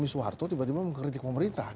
soeharto tiba tiba mengkritik pemerintah